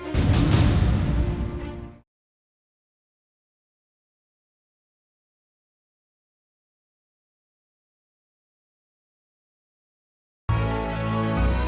posisi musimnyaunmake enam ratus enam puluh enam jadi satu orang keubah